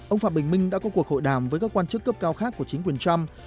ông phạm bình minh đã có cuộc hội đàm với các quan chức cấp cao khác của chính quyền trump